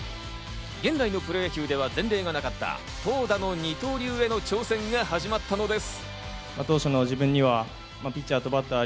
現代のプロ野球では前例がなかった投打の二刀流への挑戦が始まったのです。